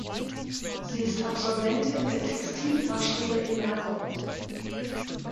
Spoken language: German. Sie ist Absolventin der Textilfachschule in Nagold.